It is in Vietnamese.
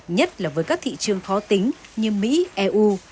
nhất là với các thị trường khó tính như mỹ eu